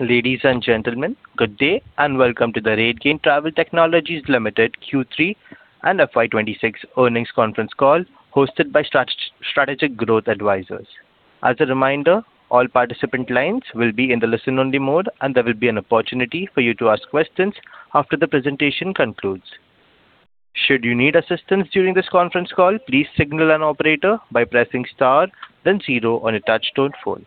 Ladies and gentlemen, good day, and welcome to the RateGain Travel Technologies Limited Q3 and FY 2026 earnings conference call, hosted by Strategic Growth Advisors. As a reminder, all participant lines will be in the listen-only mode, and there will be an opportunity for you to ask questions after the presentation concludes. Should you need assistance during this conference call, please signal an operator by pressing star then zero on a touch-tone phone.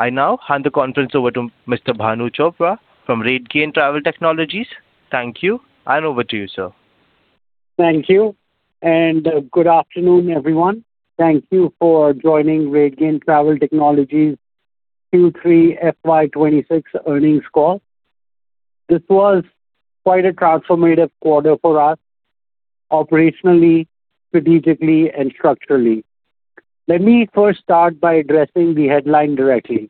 I now hand the conference over to Mr. Bhanu Chopra from RateGain Travel Technologies. Thank you, and over to you, sir. Thank you, and, good afternoon, everyone. Thank you for joining RateGain Travel Technologies Q3 FY 2026 earnings call. This was quite a transformative quarter for us, operationally, strategically, and structurally. Let me first start by addressing the headline directly.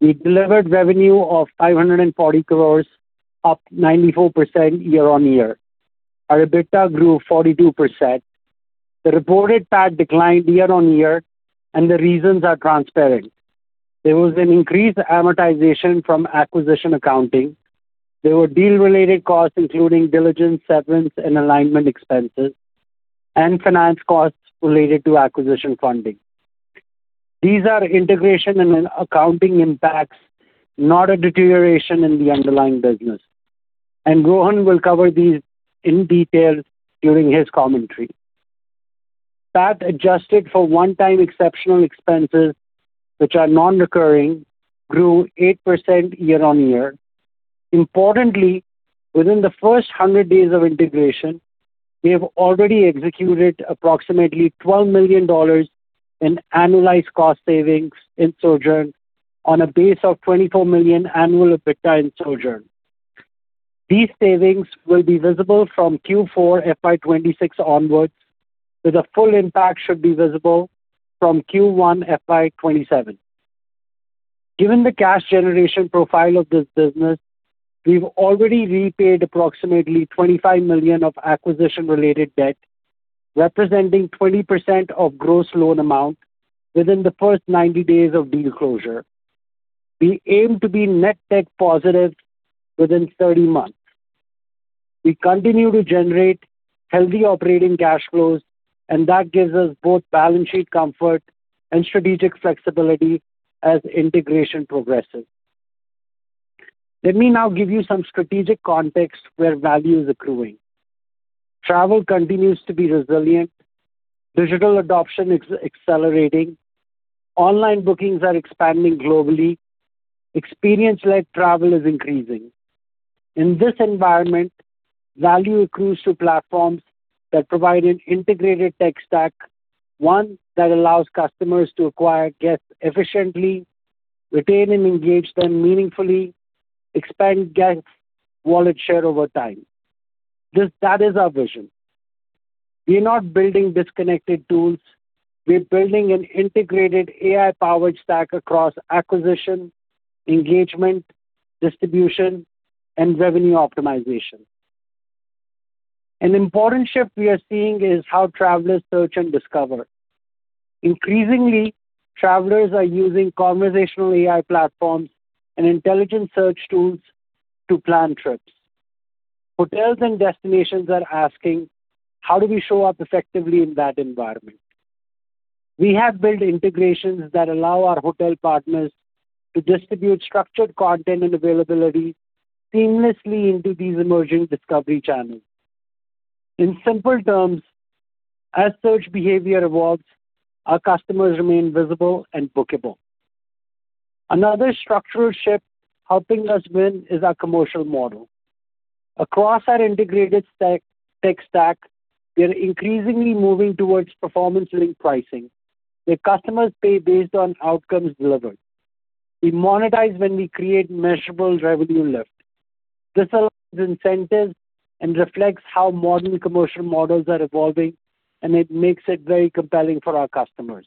We delivered revenue of 540 crore, up 94% year-on-year. Our EBITDA grew 42%. The reported PAT declined year-on-year, and the reasons are transparent. There was an increased amortization from acquisition accounting. There were deal-related costs, including diligence, severance, and alignment expenses, and finance costs related to acquisition funding. These are integration and accounting impacts, not a deterioration in the underlying business, and Rohan will cover these in detail during his commentary. PAT, adjusted for one-time exceptional expenses, which are non-recurring, grew 8% year-on-year. Importantly, within the first 100 days of integration, we have already executed approximately $12 million in annualized cost savings in Sojern on a base of $24 million annual EBITDA in Sojern. These savings will be visible from Q4 FY 2026 onwards, with a full impact should be visible from Q1 FY 2027. Given the cash generation profile of this business, we've already repaid approximately $25 million of acquisition-related debt, representing 20% of gross loan amount within the first 90 days of deal closure. We aim to be net debt positive within 30 months. We continue to generate healthy operating cash flows, and that gives us both balance sheet comfort and strategic flexibility as integration progresses. Let me now give you some strategic context where value is accruing. Travel continues to be resilient, digital adoption is accelerating, online bookings are expanding globally, experience-led travel is increasing. In this environment, value accrues to platforms that provide an integrated tech stack, one that allows customers to acquire guests efficiently, retain and engage them meaningfully, expand guests' wallet share over time. This, that is our vision. We are not building disconnected tools. We're building an integrated AI-powered stack across acquisition, engagement, distribution, and revenue optimization. An important shift we are seeing is how travelers search and discover. Increasingly, travelers are using conversational AI platforms and intelligent search tools to plan trips. Hotels and destinations are asking: How do we show up effectively in that environment? We have built integrations that allow our hotel partners to distribute structured content and availability seamlessly into these emerging discovery channels. In simple terms, as search behavior evolves, our customers remain visible and bookable. Another structural shift helping us win is our commercial model. Across our integrated stack, tech stack, we are increasingly moving towards performance-linked pricing, where customers pay based on outcomes delivered. We monetize when we create measurable revenue lift. This allows incentives and reflects how modern commercial models are evolving, and it makes it very compelling for our customers.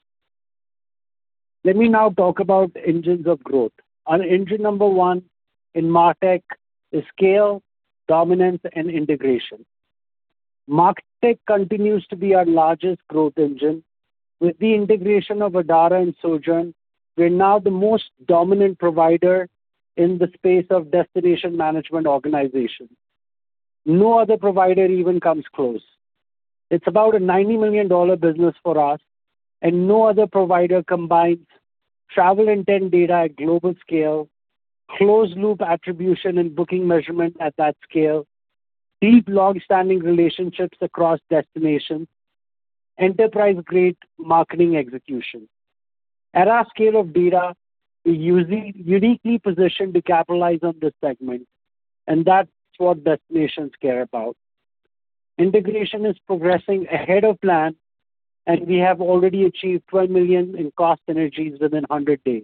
Let me now talk about engines of growth. Our engine number one in martech is scale, dominance, and integration. Martech continues to be our largest growth engine. With the integration of Adara and Sojern, we're now the most dominant provider in the space of destination management organization. No other provider even comes close. It's about a $90 million business for us, and no other provider combines travel intent data at global scale, closed-loop attribution and booking measurement at that scale, deep, long-standing relationships across destinations, enterprise-grade marketing execution. At our scale of data, we're uniquely positioned to capitalize on this segment, and that's what destinations care about. Integration is progressing ahead of plan, and we have already achieved $12 million in cost synergies within 100 days.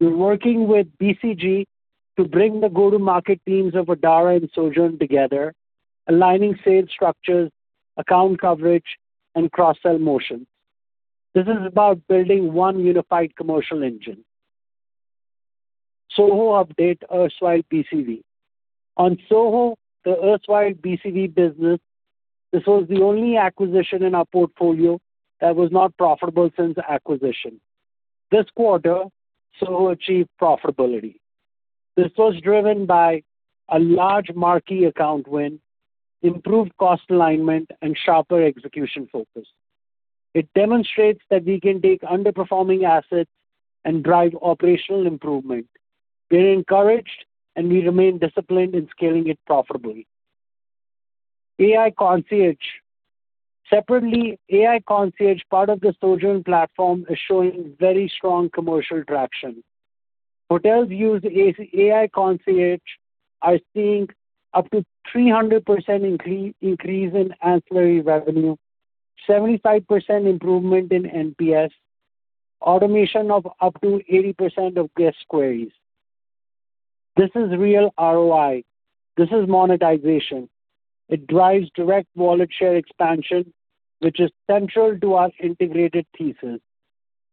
We're working with BCG to bring the go-to-market teams of Adara and Sojern together, aligning sales structures, account coverage, and cross-sell motion. This is about building one unified commercial engine. Soho update, erstwhile BCV. On Soho, the erstwhile BCV business, this was the only acquisition in our portfolio that was not profitable since the acquisition. This quarter, Soho achieved profitability. This was driven by a large marquee account win, improved cost alignment, and sharper execution focus. It demonstrates that we can take underperforming assets and drive operational improvement. We are encouraged, and we remain disciplined in scaling it profitably. AI Concierge. Separately, AI Concierge, part of the Sojern platform, is showing very strong commercial traction. Hotels using AI Concierge are seeing up to 300% increase in ancillary revenue, 75% improvement in NPS, automation of up to 80% of guest queries. This is real ROI. This is monetization. It drives direct wallet share expansion, which is central to our integrated thesis.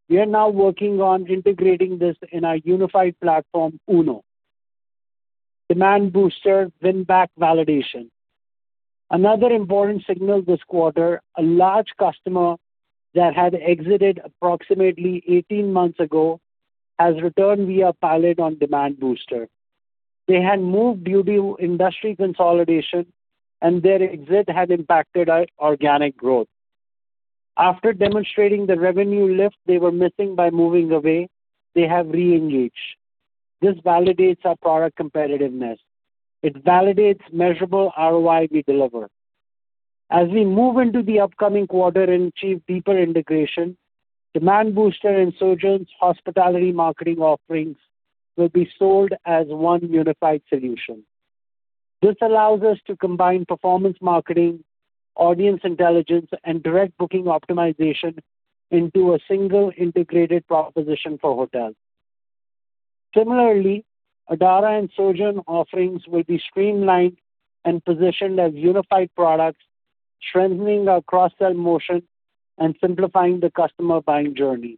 We are now working on integrating this in our unified platform, Uno. Demand Booster win-back validation. Another important signal this quarter, a large customer that had exited approximately 18 months ago, has returned via pilot on Demand Booster. They had moved due to industry consolidation, and their exit had impacted our organic growth. After demonstrating the revenue lift they were missing by moving away, they have re-engaged. This validates our product competitiveness. It validates measurable ROI we deliver. As we move into the upcoming quarter and achieve deeper integration, Demand Booster and Sojern's hospitality marketing offerings will be sold as one unified solution. This allows us to combine performance marketing, audience intelligence, and direct booking optimization into a single integrated proposition for hotels. Similarly, Adara and Sojern offerings will be streamlined and positioned as unified products, strengthening our cross-sell motion and simplifying the customer buying journey.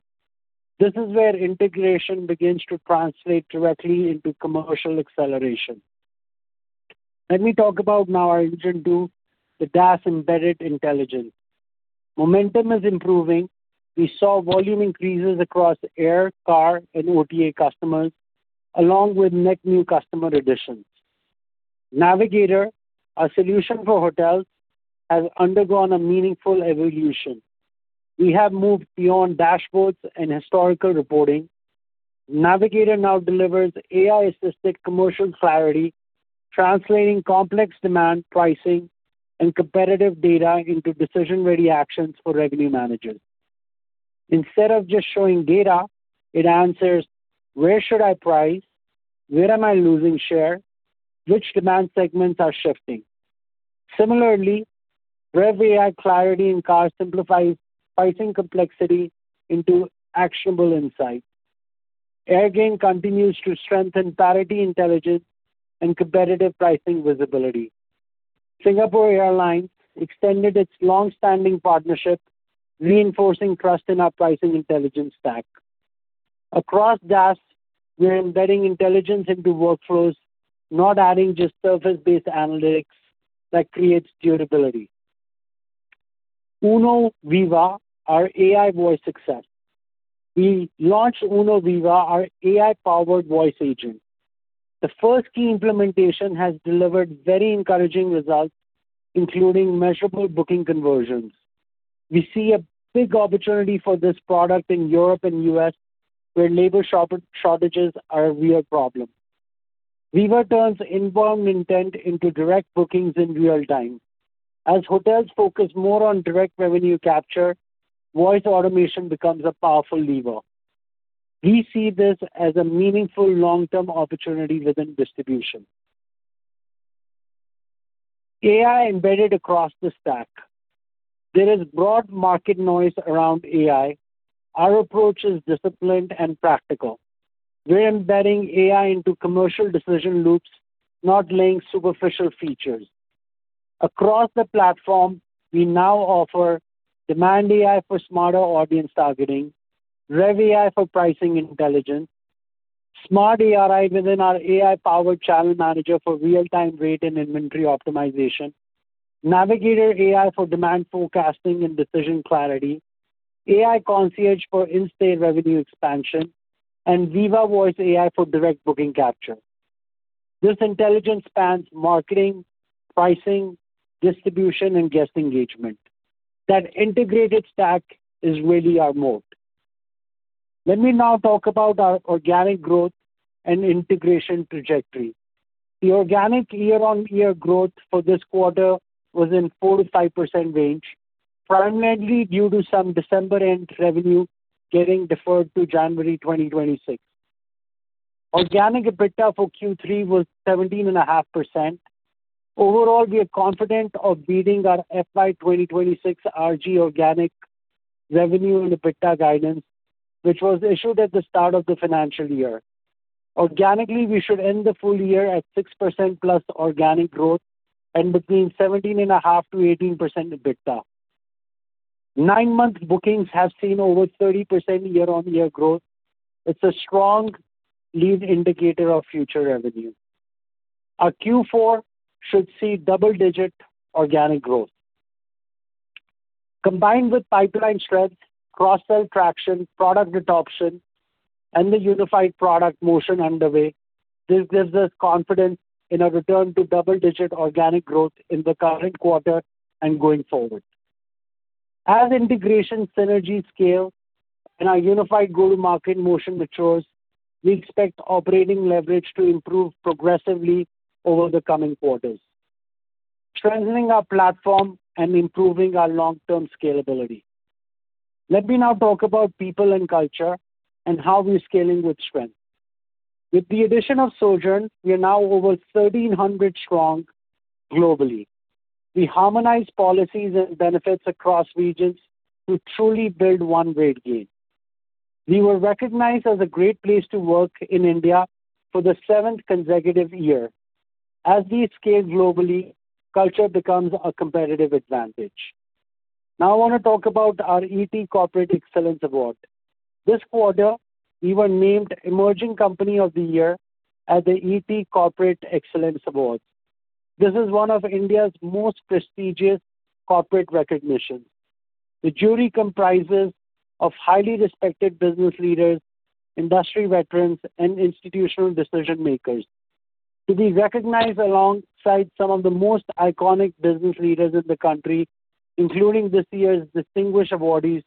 This is where integration begins to translate directly into commercial acceleration. Let me talk about now our engine two, the DaaS embedded intelligence. Momentum is improving. We saw volume increases across air, car, and OTA customers, along with net new customer additions. Navigator, our solution for hotels, has undergone a meaningful evolution. We have moved beyond dashboards and historical reporting. Navigator now delivers AI-assisted commercial clarity, translating complex demand pricing and competitive data into decision-ready actions for revenue managers. Instead of just showing data, it answers: Where should I price? Where am I losing share? Which demand segments are shifting? Similarly, RevAI Clarity in Car simplifies pricing complexity into actionable insights. AirGain continues to strengthen parity intelligence and competitive pricing visibility. Singapore Airlines extended its long-standing partnership, reinforcing trust in our pricing intelligence stack. Across DaaS, we are embedding intelligence into workflows, not adding just surface-based analytics that creates durability. Uno Viva, our AI voice success. We launched Uno Viva, our AI-powered voice agent. The first key implementation has delivered very encouraging results, including measurable booking conversions. We see a big opportunity for this product in Europe and U.S., where labor shortages are a real problem. Viva turns inbound intent into direct bookings in real time. As hotels focus more on direct revenue capture, voice automation becomes a powerful lever. We see this as a meaningful long-term opportunity within distribution. AI embedded across the stack. There is broad market noise around AI. Our approach is disciplined and practical. We're embedding AI into commercial decision loops, not laying superficial features. Across the platform, we now offer Demand AI for smarter audience targeting, RevAI for pricing intelligence, Smart AI within our AI-powered channel manager for real-time rate and inventory optimization, Navigator AI for demand forecasting and decision clarity, AI Concierge for in-stay revenue expansion, and Viva voice AI for direct booking capture. This intelligence spans marketing, pricing, distribution, and guest engagement. That integrated stack is really our moat. Let me now talk about our organic growth and integration trajectory. The organic year-on-year growth for this quarter was in 4%-5% range, primarily due to some December end revenue getting deferred to January 2026. Organic EBITDA for Q3 was 17.5%. Overall, we are confident of beating our FY 2026 RG Organic revenue and EBITDA guidance, which was issued at the start of the financial year. Organically, we should end the full year at 6%+ organic growth and between 17.5%-18% EBITDA. Nine-month bookings have seen over 30% year-on-year growth. It's a strong lead indicator of future revenue. Our Q4 should see double-digit organic growth. Combined with pipeline strength, cross-sell traction, product adoption, and the unified product motion underway, this gives us confidence in a return to double-digit organic growth in the current quarter and going forward. As integration synergies scale and our unified go-to-market motion matures, we expect operating leverage to improve progressively over the coming quarters, strengthening our platform and improving our long-term scalability. Let me now talk about people and culture and how we're scaling with strength. With the addition of Sojern, we are now over 1,300 strong globally. We harmonize policies and benefits across regions to truly build one RateGain. We were recognized as a great place to work in India for the seventh consecutive year. As we scale globally, culture becomes a competitive advantage. Now I want to talk about our ET Corporate Excellence Award. This quarter, we were named Emerging Company of the Year at the ET Corporate Excellence Awards. This is one of India's most prestigious corporate recognitions. The jury comprises of highly respected business leaders, industry veterans, and institutional decision-makers. To be recognized alongside some of the most iconic business leaders in the country, including this year's distinguished awardees,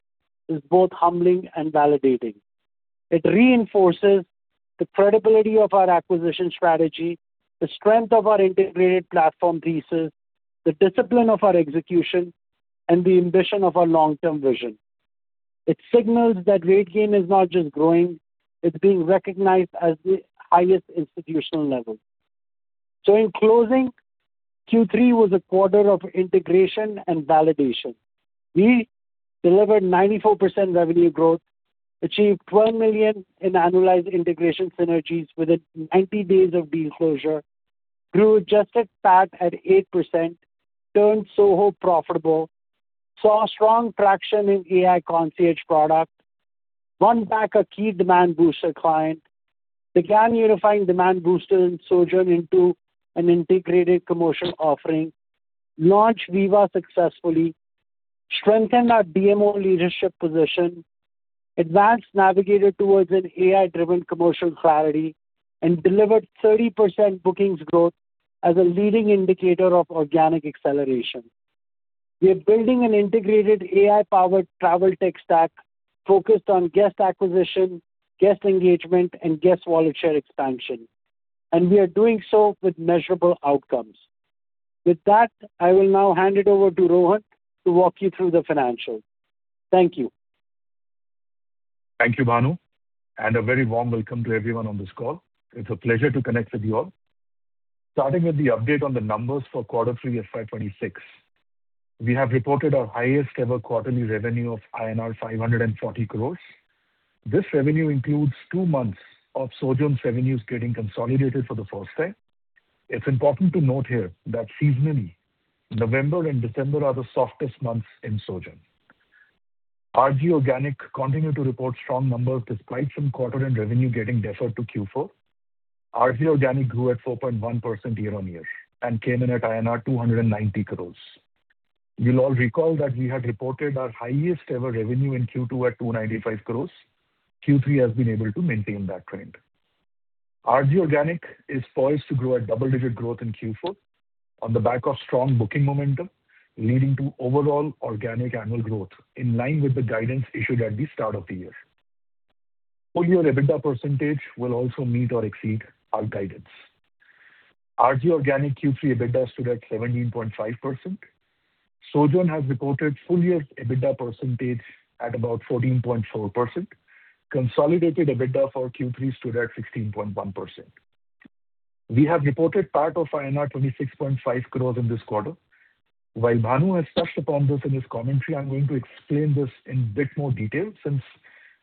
is both humbling and validating. It reinforces the credibility of our acquisition strategy, the strength of our integrated platform thesis, the discipline of our execution, and the ambition of our long-term vision. It signals that RateGain is not just growing, it's being recognized at the highest institutional level. So in closing, Q3 was a quarter of integration and validation. We delivered 94% revenue growth, achieved $12 million in annualized integration synergies within 90 days of deal closure, grew adjusted PAT at 8%, turned Soho profitable, saw strong traction in AI Concierge product, won back a key Demand Booster client, began unifying Demand Booster and Sojern into an integrated commercial offering, launched Uno Viva successfully, strengthened our DMO leadership position, advanced Navigator towards an AI-driven commercial clarity, and delivered 30% bookings growth as a leading indicator of organic acceleration. We are building an integrated, AI-powered travel tech stack focused on guest acquisition, guest engagement, and guest wallet share expansion, and we are doing so with measurable outcomes. With that, I will now hand it over to Rohan to walk you through the financials. Thank you. Thank you, Bhanu, and a very warm welcome to everyone on this call. It's a pleasure to connect with you all. Starting with the update on the numbers for quarter three of FY 2026, we have reported our highest ever quarterly revenue of INR 540 crore. This revenue includes two months of Sojern's revenues getting consolidated for the first time. It's important to note here that seasonally, November and December are the softest months in Sojern. RG Organic continued to report strong numbers despite some quarter and revenue getting deferred to Q4. RG Organic grew at 4.1% year-on-year and came in at INR 290 crore. You'll all recall that we had reported our highest ever revenue in Q2 at 295 crore. Q3 has been able to maintain that trend. RG Organic is poised to grow at double-digit growth in Q4 on the back of strong booking momentum, leading to overall organic annual growth in line with the guidance issued at the start of the year. Full year EBITDA percentage will also meet or exceed our guidance. RG Organic Q3 EBITDA stood at 17.5%. Sojern has reported full year EBITDA percentage at about 14.4%. Consolidated EBITDA for Q3 stood at 16.1%. We have reported PAT of 26.5 crore in this quarter. While Bhanu has touched upon this in his commentary, I'm going to explain this in a bit more detail, since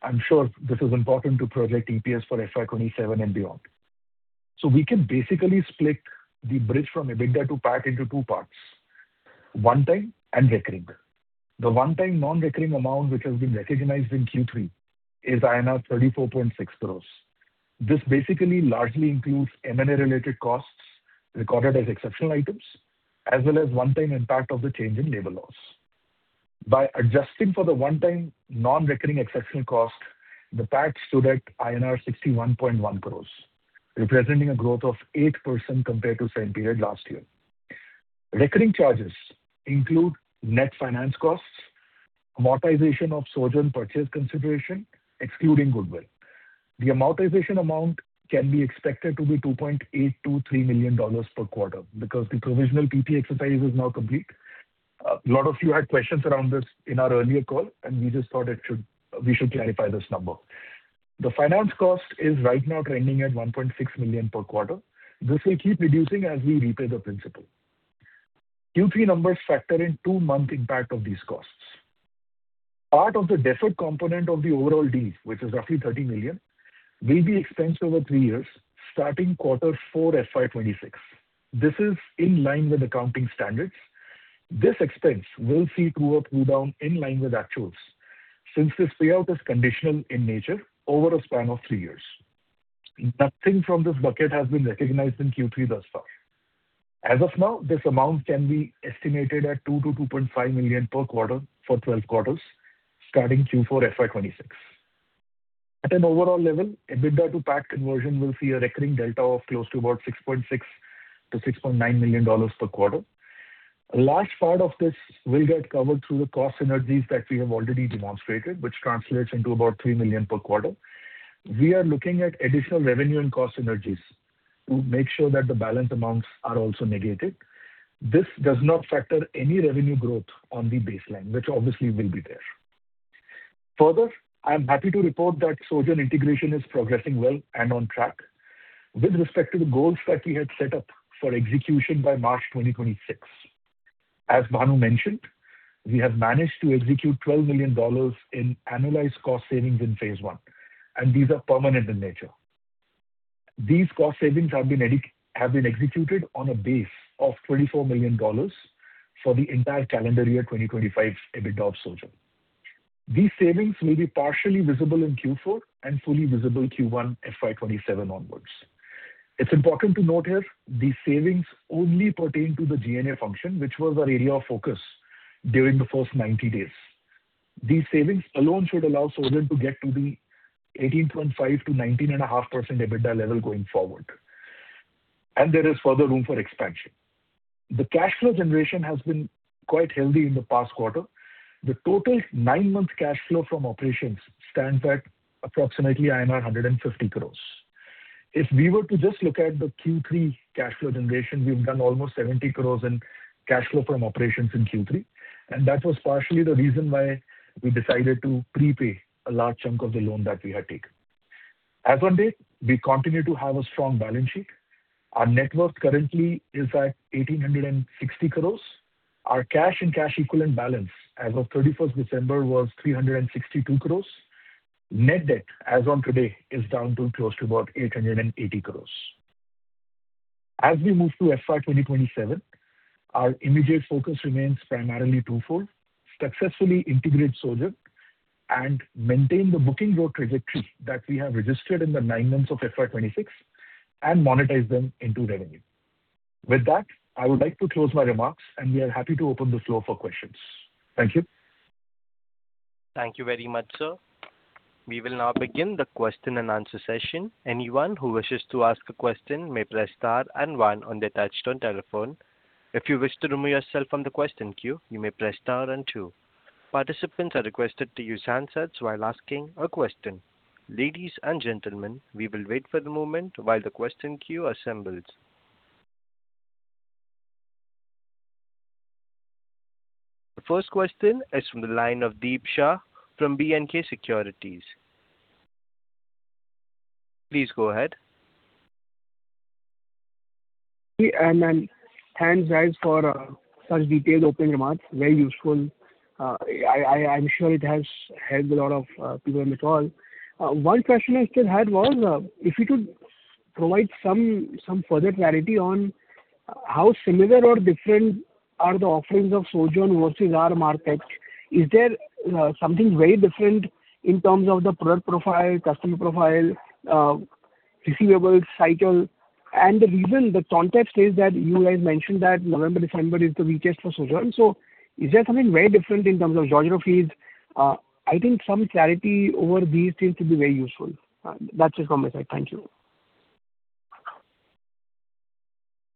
I'm sure this is important to project EPS for FY 2027 and beyond. So we can basically split the bridge from EBITDA to PAT into two parts: one time and recurring. The one-time non-recurring amount, which has been recognized in Q3, is INR 34.6 crore. This basically largely includes M&A-related costs recorded as exceptional items, as well as one-time impact of the change in labor laws. By adjusting for the one-time non-recurring exceptional cost, the PAT stood at INR 61.1 crore, representing a growth of 8% compared to same period last year. Recurring charges include net finance costs, amortization of Sojern purchase consideration, excluding goodwill. The amortization amount can be expected to be $2.823 million per quarter because the provisional PPA exercise is now complete. A lot of you had questions around this in our earlier call, and we just thought we should clarify this number. The finance cost is right now trending at $1.6 million per quarter. This will keep reducing as we repay the principal. Q3 numbers factor in two-month impact of these costs. Part of the deferred component of the overall deal, which is roughly $30 million, will be expensed over three years, starting quarter four, FY 2026. This is in line with accounting standards. This expense will see through a pull-down in line with actuals, since this payout is conditional in nature over a span of three years. Nothing from this bucket has been recognized in Q3 thus far. As of now, this amount can be estimated at $2 million-$2.5 million per quarter for 12 quarters, starting Q4 FY 2026. At an overall level, EBITDA to PAT conversion will see a recurring delta of close to about $6.6 million-$6.9 million per quarter. A large part of this will get covered through the cost synergies that we have already demonstrated, which translates into about $3 million per quarter. We are looking at additional revenue and cost synergies to make sure that the balance amounts are also negated. This does not factor any revenue growth on the baseline, which obviously will be there. Further, I am happy to report that Sojern integration is progressing well and on track with respect to the goals that we had set up for execution by March 2026. As Bhanu mentioned, we have managed to execute $12 million in annualized cost savings in phase one, and these are permanent in nature. These cost savings have been executed on a base of $24 million for the entire calendar year 2025, EBITDA of Sojern. These savings may be partially visible in Q4 and fully visible Q1 FY 2027 onwards. It's important to note here, these savings only pertain to the G&A function, which was our area of focus during the first 90 days. These savings alone should allow Sojern to get to the 18.5%-19.5% EBITDA level going forward, and there is further room for expansion. The cash flow generation has been quite healthy in the past quarter. The total nine-month cash flow from operations stands at approximately INR 150 crore. If we were to just look at the Q3 cash flow generation, we've done almost 70 crore in cash flow from operations in Q3, and that was partially the reason why we decided to prepay a large chunk of the loan that we had taken. As on date, we continue to have a strong balance sheet. Our net worth currently is at 1,860 crore. Our cash and cash equivalent balance as of 31st December was 362 crore. Net debt, as on today, is down to close to about 880 crore. As we move to FY 2027, our immediate focus remains primarily twofold: successfully integrate Sojern and maintain the booking growth trajectory that we have registered in the nine months of FY 2026 and monetize them into revenue. With that, I would like to close my remarks, and we are happy to open the floor for questions. Thank you. Thank you very much, sir. We will now begin the question and answer session. Anyone who wishes to ask a question may press star and one on their touch-tone telephone. If you wish to remove yourself from the question queue, you may press star and two. Participants are requested to use handsets while asking a question. Ladies and gentlemen, we will wait for the moment while the question queue assembles. The first question is from the line of Deep Shah from B&K Securities. Please go ahead. And then thanks, guys, for such detailed opening remarks. Very useful. I'm sure it has helped a lot of people on the call. One question I still had was if you could provide some further clarity on how similar or different are the offerings of Sojern versus our martech. Is there something very different in terms of the product profile, customer profile, receivable cycle? And the reason the context is that you guys mentioned that November, December is the weakest for Sojern. So is there something very different in terms of geographies? I think some clarity over these things would be very useful. That's just from my side. Thank you.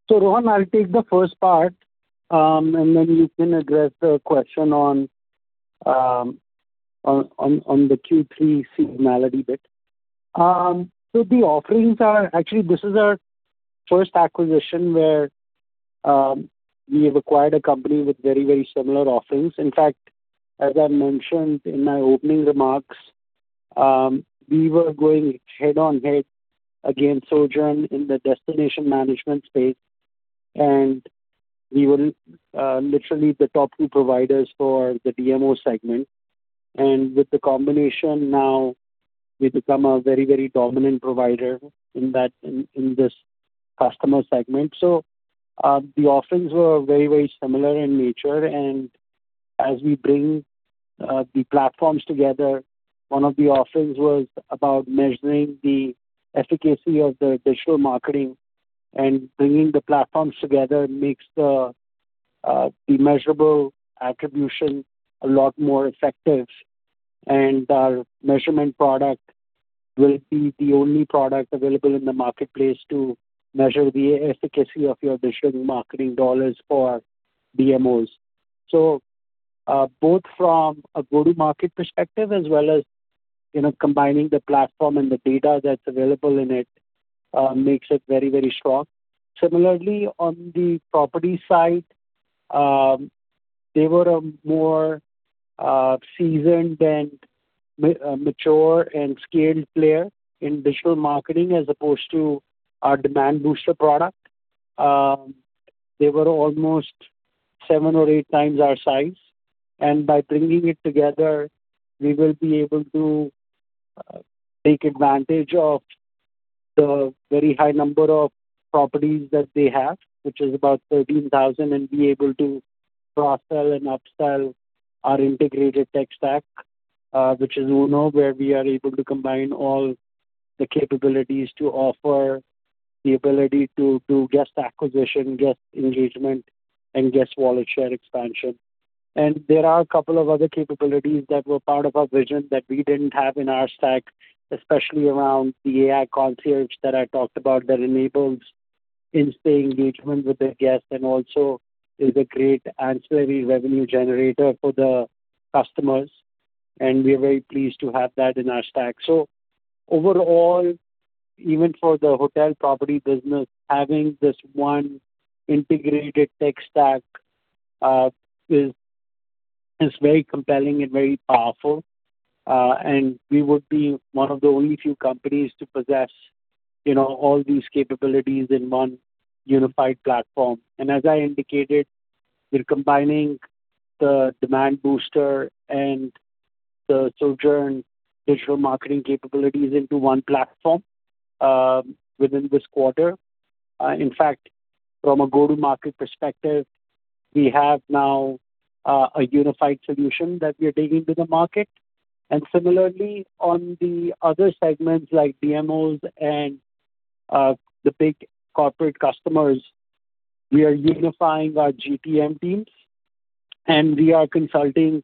So, Rohan, I'll take the first part, and then you can address the question on the Q3 seasonality bit. So the offerings are, actually, this is our first acquisition where we have acquired a company with very, very similar offerings. In fact, as I mentioned in my opening remarks, we were going head-on-head against Sojern in the destination management space, and we were literally the top two providers for the DMO segment. And with the combination, now we've become a very, very dominant provider in that, in this customer segment. So, the offerings were very, very similar in nature. And as we bring the platforms together, one of the offerings was about measuring the efficacy of the digital marketing. And bringing the platforms together makes the measurable attribution a lot more effective. And our measurement product will be the only product available in the marketplace to measure the efficacy of your digital marketing dollars for DMOs. So, both from a go-to-market perspective as well as, you know, combining the platform and the data that's available in it, makes it very, very strong. Similarly, on the property side, they were a more seasoned and mature and scaled player in digital marketing as opposed to our Demand Booster product. They were almost seven or eight times our size, and by bringing it together, we will be able to take advantage of the very high number of properties that they have, which is about 13,000, and be able to cross-sell and upsell our integrated tech stack, which is Uno, where we are able to combine all the capabilities to offer the ability to guest acquisition, guest engagement, and guest wallet share expansion. And there are a couple of other capabilities that were part of our vision that we didn't have in our stack, especially around the AI Concierge that I talked about, that enables in-stay engagement with the guest and also is a great ancillary revenue generator for the customers, and we are very pleased to have that in our stack. So overall, even for the hotel property business, having this one integrated tech stack is very compelling and very powerful. We would be one of the only few companies to possess, you know, all these capabilities in one unified platform. As I indicated, we're combining the Demand Booster and the Sojern digital marketing capabilities into one platform within this quarter. In fact, from a go-to-market perspective, we have now a unified solution that we are taking to the market. Similarly, on the other segments, like DMOs and the big corporate customers, we are unifying our GTM teams, and we are consulting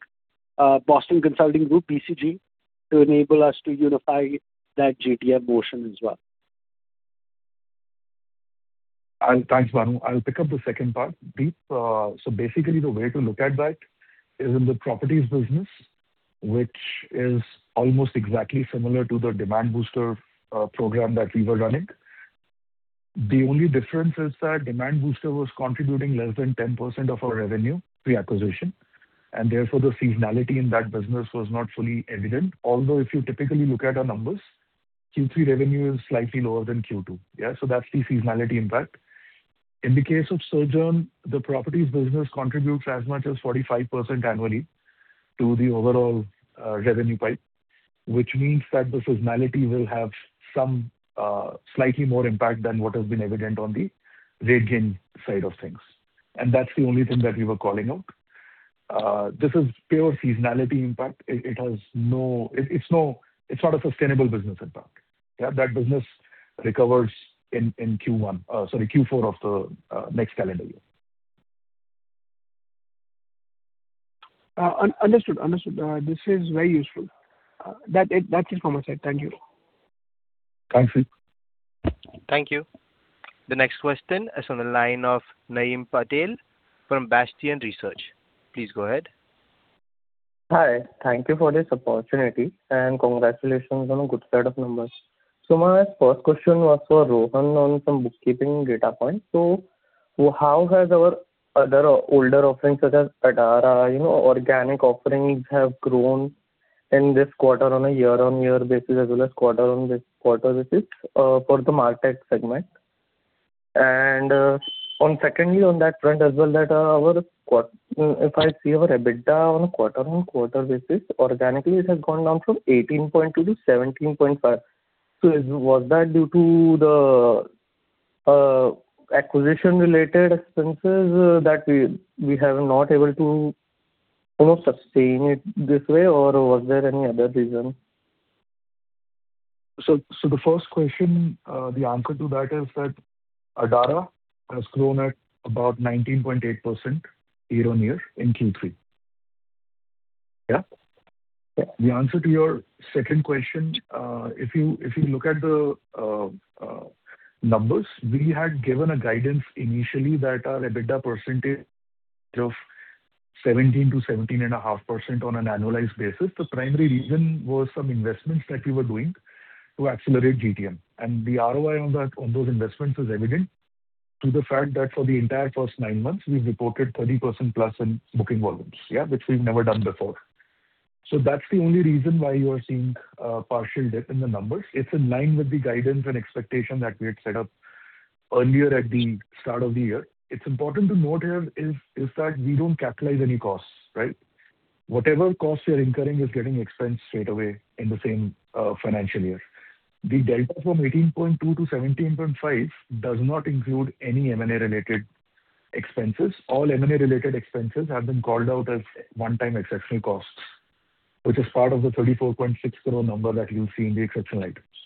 Boston Consulting Group, BCG, to enable us to unify that GTM motion as well. Thanks, Bhanu. I'll pick up the second part, Deep. So basically the way to look at that is in the properties business, which is almost exactly similar to the Demand Booster program that we were running. The only difference is that Demand Booster was contributing less than 10% of our revenue pre-acquisition, and therefore, the seasonality in that business was not fully evident. Although, if you typically look at our numbers, Q3 revenue is slightly lower than Q2. Yeah, so that's the seasonality impact. In the case of Sojern, the properties business contributes as much as 45% annually to the overall revenue pipe, which means that the seasonality will have some slightly more impact than what has been evident on the RateGain side of things. And that's the only thing that we were calling out. This is pure seasonality impact. It's not a sustainable business impact. Yeah, that business recovers in Q1, sorry, Q4 of the next calendar year. Understood. Understood. This is very useful. That's it from my side. Thank you. Thank you. Thank you. The next question is on the line of Naim Patel from Bastian Research. Please go ahead. Hi, thank you for this opportunity, and congratulations on a good set of numbers. So my first question was for Rohan on some bookkeeping data points. So how has our other older offerings, such as Adara, you know, organic offerings, have grown in this quarter on a year-over-year basis, as well as quarter-over-quarter basis, for the martech segment? And, on that front as well, that, if I see our EBITDA on a quarter-over-quarter basis, organically, it has gone down from 18.2% to 17.5%. So is, was that due to the, acquisition-related expenses, that we, we have not able to, you know, sustain it this way or was there any other reason? So, the first question, the answer to that is that Adara has grown at about 19.8% year-on-year in Q3. Yeah? Yeah. The answer to your second question, if you look at the numbers, we had given a guidance initially that our EBITDA percentage of 17%-17.5% on an annualized basis. The primary reason was some investments that we were doing to accelerate GTM. And the ROI on that, on those investments is evident through the fact that for the entire first nine months, we've reported 30%+ in booking volumes, yeah, which we've never done before. So that's the only reason why you are seeing a partial dip in the numbers. It's in line with the guidance and expectation that we had set up earlier at the start of the year. It's important to note here is that we don't capitalize any costs, right? Whatever costs we are incurring is getting expensed straight away in the same financial year. The delta from 18.2% to 17.5% does not include any M&A-related expenses. All M&A-related expenses have been called out as one-time exceptional costs, which is part of the 34.6 crore number that you'll see in the exceptional items.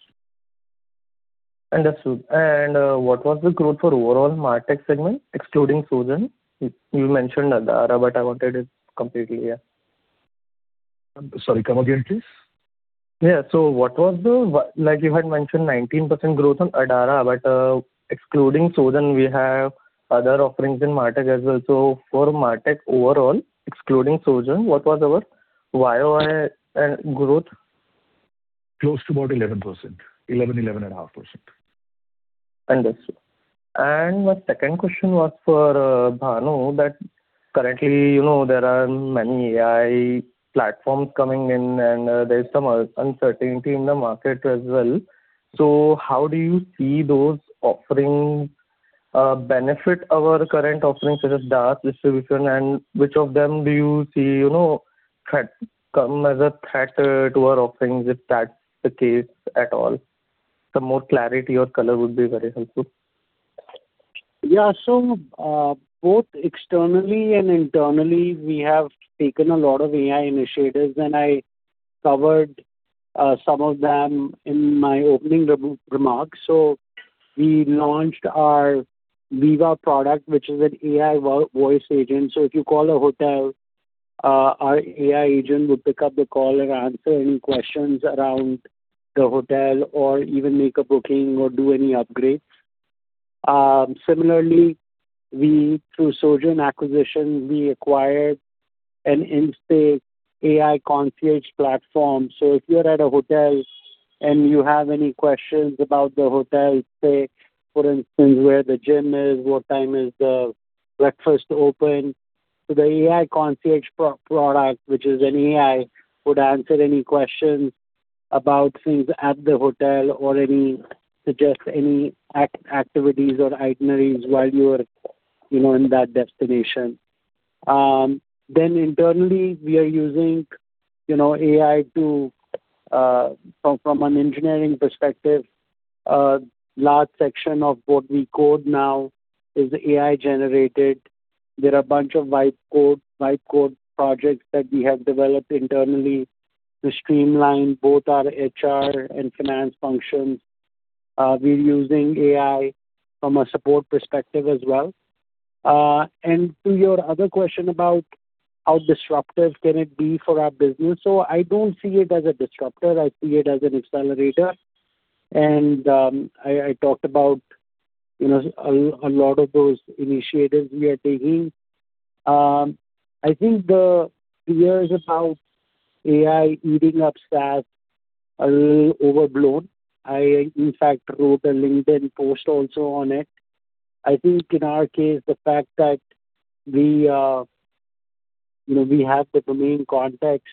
Understood. What was the growth for overall martech segment, excluding Sojern? You mentioned Adara, but I wanted it completely, yeah. Sorry, come again, please. Yeah. So what was the, like, you had mentioned 19% growth on Adara, but, excluding Sojern, we have other offerings in martech as well. So for martech overall, excluding Sojern, what was our YoY and growth? Close to about 11%. 11%, 11.5%. Understood. And my second question was for Bhanu, that currently, you know, there are many AI platforms coming in, and there's some uncertainty in the market as well. So how do you see those offerings benefit our current offerings, such as dark distribution? And which of them do you see, you know, threat come as a threat to our offerings, if that's the case at all? Some more clarity or color would be very helpful. Yeah. So both externally and internally, we have taken a lot of AI initiatives, and I covered some of them in my opening remarks. So we launched our Viva product, which is an AI voice agent. So if you call a hotel, our AI agent would pick up the call and answer any questions around the hotel or even make a booking or do any upgrades. Similarly, we, through Sojern acquisition, we acquired an in-stay AI Concierge platform. So if you're at a hotel and you have any questions about the hotel, say, for instance, where the gym is, what time is the breakfast open? So the AI Concierge product, which is an AI, would answer any questions about things at the hotel or suggest any activities or itineraries while you are, you know, in that destination. Then internally, we are using, you know, AI to from an engineering perspective, a large section of what we code now is AI-generated. There are a bunch of vibe code projects that we have developed internally to streamline both our HR and finance functions. We're using AI from a support perspective as well. And to your other question about how disruptive can it be for our business? So I don't see it as a disruptor. I see it as an accelerator. And I talked about, you know, a lot of those initiatives we are taking. I think the fears about AI eating up staff are a little overblown. I, in fact wrote a LinkedIn post also on it. I think in our case, the fact that we, you know, we have the domain context,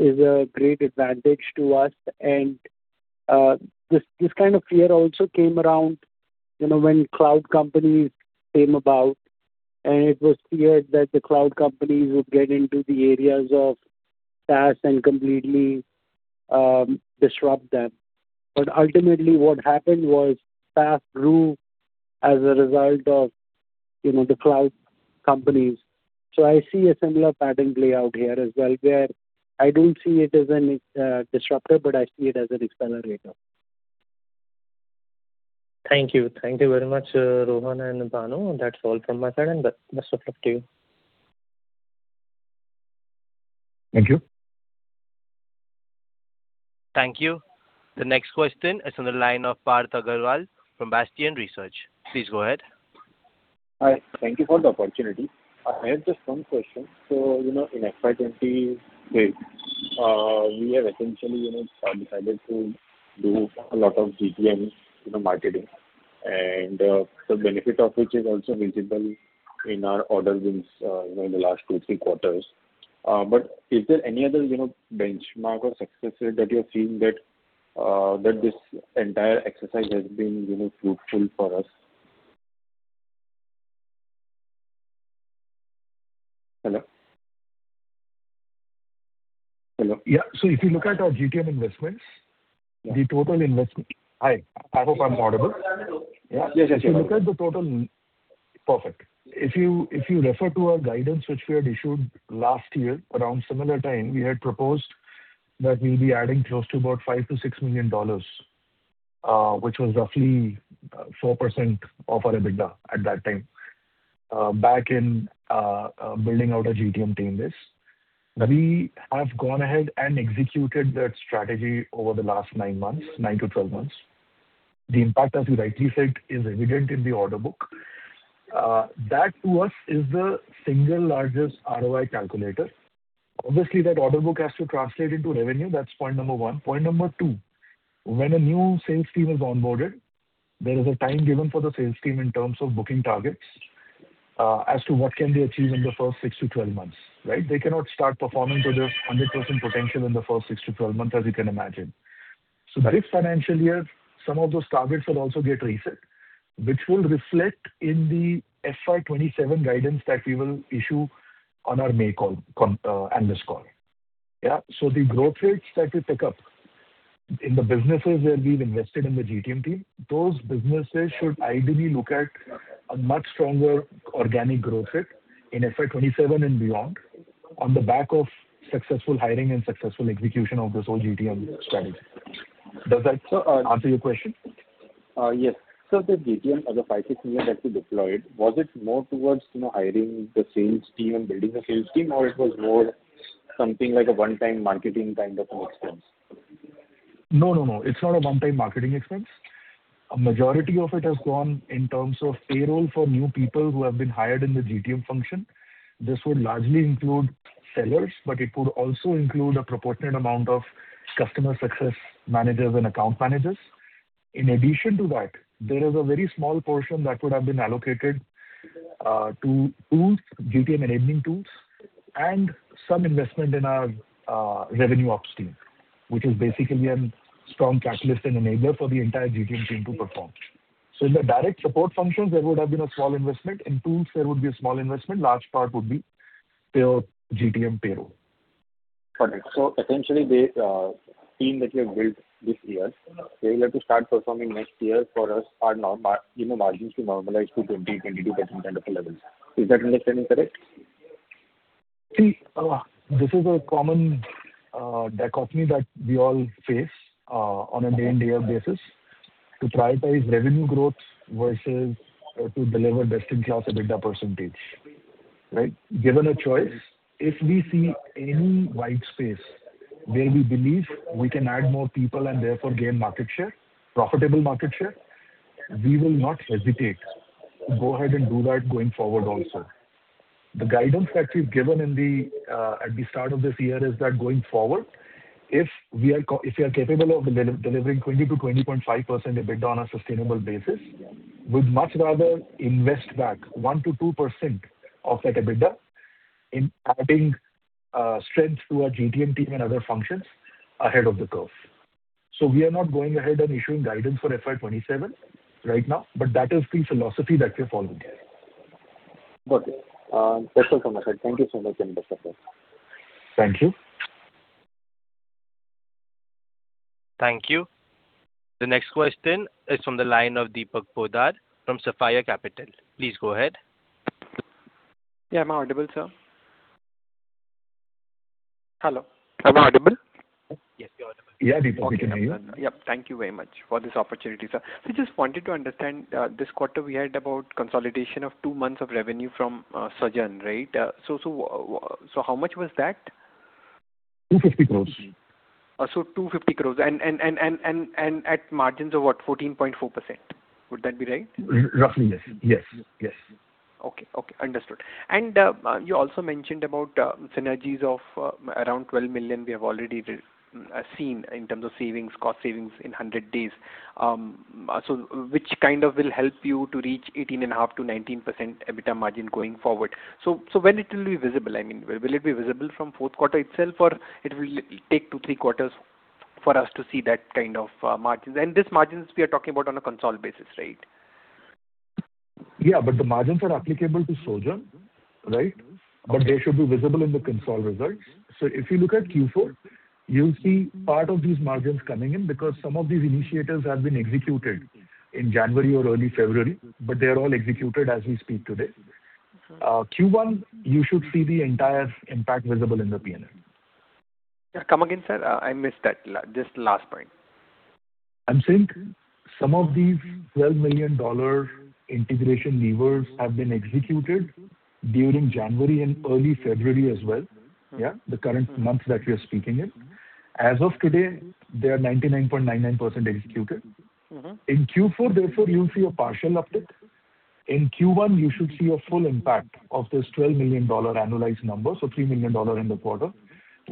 is a great advantage to us. And, this, this kind of fear also came around, you know, when cloud companies came about, and it was feared that the cloud companies would get into the areas of SaaS and completely, disrupt them. But ultimately, what happened was, SaaS grew as a result of, you know, the cloud companies. So I see a similar pattern play out here as well, where I don't see it as an, disruptor, but I see it as an accelerator. Thank you. Thank you very much, Rohan and Bhanu. That's all from my side, and the rest up to you. Thank you. Thank you. The next question is on the line of Parth Agarwal from Bastian Research. Please go ahead. Hi. Thank you for the opportunity. I have just one question. So, you know, in FY 2028, we have essentially, you know, decided to do a lot of GTM, you know, marketing, and, the benefit of which is also visible in our order wins, you know, in the last two, three quarters. But is there any other, you know, benchmark or success rate that you're seeing that, that this entire exercise has been, you know, fruitful for us? Hello? Hello. Yeah. So if you look at our GTM investments, the total investment, hi, I hope I'm audible. Yeah. Yes, yes, yes. If you look at the total—Perfect. If you, if you refer to our guidance, which we had issued last year around similar time, we had proposed that we'll be adding close to about $5 million-$6 million, which was roughly, 4% of our EBITDA at that time, back in, building out our GTM team this. We have gone ahead and executed that strategy over the last nine months, nine to 12 months. The impact, as you rightly said, is evident in the order book. That to us is the single largest ROI calculator. Obviously, that order book has to translate into revenue. That's point number one. Point number two, when a new sales team is onboarded, there is a time given for the sales team in terms of booking targets, as to what can be achieved in the first six to 12 months, right? They cannot start performing to their 100% potential in the first six to 12 months, as you can imagine. So this financial year, some of those targets will also get reset, which will reflect in the FY 2027 guidance that we will issue on our May call, Analyst Call. Yeah. So the growth rates that we pick up in the businesses where we've invested in the GTM team, those businesses should ideally look at a much stronger organic growth rate in FY 2027 and beyond, on the back of successful hiring and successful execution of this whole GTM strategy. Does that answer your question? Yes. So the GTM, as $5 million-$6 million that you deployed, was it more towards, you know, hiring the sales team and building the sales team, or it was more something like a one-time marketing kind of an expense? No, no, no. It's not a one-time marketing expense. A majority of it has gone in terms of payroll for new people who have been hired in the GTM function. This would largely include sellers, but it would also include a proportionate amount of customer success managers and account managers. In addition to that, there is a very small portion that would have been allocated to tools, GTM enabling tools, and some investment in our revenue ops team, which is basically a strong catalyst and enabler for the entire GTM team to perform. So in the direct support functions, there would have been a small investment. In tools, there would be a small investment. Large part would be pure GTM payroll. Got it. So essentially, the team that you have built this year, they will have to start performing next year for us, our normal margins, you know, to normalize to 22% kind of levels. Is that understanding correct? See, this is a common dichotomy that we all face on a day-in-day-out basis, to prioritize revenue growth versus to deliver best-in-class EBITDA percentage. Right? Given a choice, if we see any white space where we believe we can add more people and therefore gain market share, profitable market share, we will not hesitate to go ahead and do that going forward also. The guidance that we've given in the at the start of this year is that going forward, if we are capable of delivering 20%-20.5% EBITDA on a sustainable basis, we'd much rather invest back 1%-2% of that EBITDA in adding strength to our GTM team and other functions ahead of the curve. We are not going ahead and issuing guidance for FY 2027 right now, but that is the philosophy that we're following here. Okay. That's all from my side. Thank you so much, and best of luck. Thank you. Thank you. The next question is from the line of Deepak Poddar from Sapphire Capital. Please go ahead. Yeah, am I audible, sir? Hello. Am I audible? Yes, you're audible. Yeah, Deepak, we can hear you. Okay, yeah. Thank you very much for this opportunity, sir. We just wanted to understand, this quarter we heard about consolidation of two months of revenue from Sojern, right? So how much was that? 250 crore. So 250 crore. And at margins of what? 14.4%. Would that be right? Roughly, yes. Yes, yes. Okay, okay, understood. And, you also mentioned about, synergies of around $12 million we have already seen in terms of savings, cost savings in 100 days. So, which kind of will help you to reach 18.5%-19% EBITDA margin going forward? So, when it will be visible? I mean, will it be visible from fourth quarter itself, or it will take two, three quarters for us to see that kind of margins? And these margins we are talking about on a consolidated basis, right? Yeah, but the margins are applicable to Sojern, right? But they should be visible in the consolidated results. So if you look at Q4, you'll see part of these margins coming in, because some of these initiatives have been executed in January or early February, but they are all executed as we speak today. Q1, you should see the entire impact visible in the P&L. Yeah. Come again, sir. I missed that. Just the last point. I'm saying some of these $12 million integration levers have been executed during January and early February as well. Yeah. The current month that we are speaking in. As of today, they are 99.99% executed. Mm-hmm. In Q4, therefore, you'll see a partial uptick. In Q1, you should see a full impact of this $12 million annualized number, so $3 million in the quarter,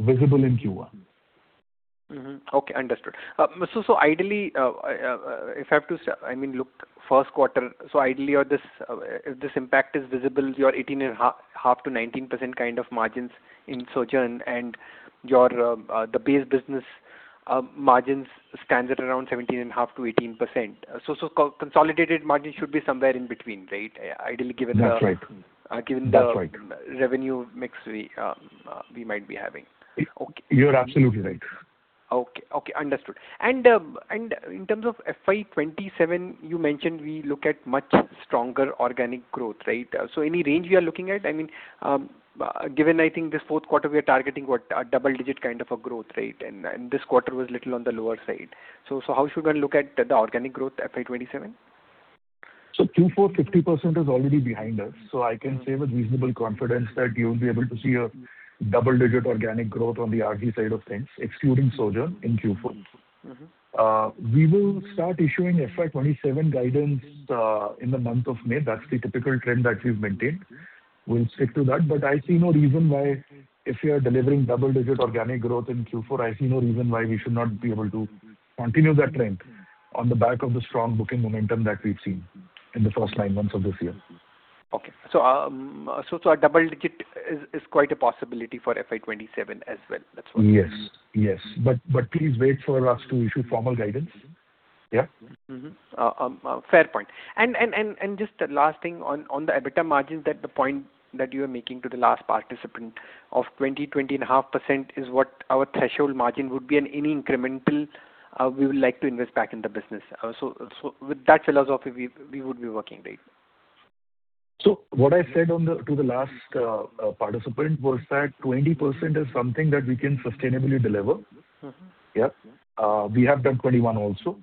visible in Q1. Mm-hmm. Okay, understood. So, ideally, if I have to—I mean, look, first quarter, so ideally, or this, if this impact is visible, your 18.5%-19% kind of margins in Sojern, and your, the base business, margins stands at around 17.5%-18%. So, consolidated margin should be somewhere in between, right? Ideally, given the- That's right. Given the- That's right... revenue mix we, we might be having. Okay. You're absolutely right. Okay. Okay, understood. And in terms of FY 2027, you mentioned we look at much stronger organic growth, right? So any range we are looking at? I mean, given I think this fourth quarter, we are targeting what, a double-digit kind of a growth rate, and this quarter was a little on the lower side. So how should one look at the organic growth, FY 2027? So Q4, 50% is already behind us, so I can say with reasonable confidence that you'll be able to see a double-digit organic growth on the RG side of things, excluding Sojern, in Q4. Mm-hmm. We will start issuing FY 2027 guidance in the month of May. That's the typical trend that we've maintained. We'll stick to that, but I see no reason why, if we are delivering double-digit organic growth in Q4, I see no reason why we should not be able to continue that trend on the back of the strong booking momentum that we've seen in the first nine months of this year. Okay. So, a double-digit is quite a possibility for FY 2027 as well. That's what- Yes, yes. But, but please wait for us to issue formal guidance. Yeah? Mm-hmm. Fair point. And just the last thing on the EBITDA margins, that the point that you were making to the last participant of 20.5% is what our threshold margin would be, and any incremental we would like to invest back in the business. So with that philosophy, we would be working, right? What I said to the last participant was that 20% is something that we can sustainably deliver. Mm-hmm. Yeah. We have done 21% also,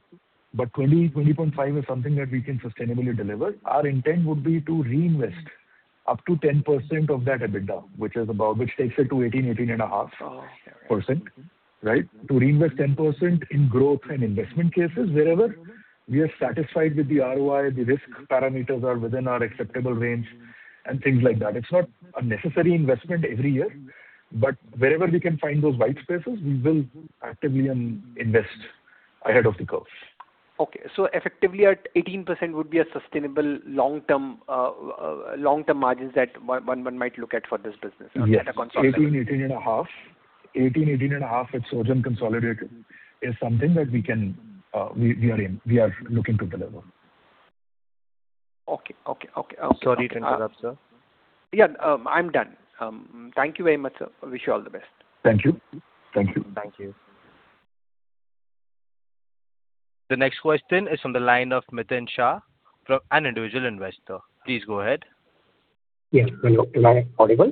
but 20%-20.5% is something that we can sustainably deliver. Our intent would be to reinvest up to 10% of that EBITDA, which is about, which takes it to 18%-18.5%, right? To reinvest 10% in growth and investment cases wherever we are satisfied with the ROI, the risk parameters are within our acceptable range, and things like that. It's not a necessary investment every year, but wherever we can find those white spaces, we will actively invest ahead of the curve. Okay, so effectively at 18% would be a sustainable long-term margins that one might look at for this business on a consolidated? Yes. 18%, 18.5%. 18%, 18.5% at Sojern consolidated is something that we can, we are looking to deliver. Okay. Okay, okay, okay. Sorry to interrupt, sir. Yeah, I'm done. Thank you very much, sir. I wish you all the best. Thank you. Thank you. Thank you. The next question is from the line of Miten Shah, from an individual investor. Please go ahead. Yes, hello. Am I audible?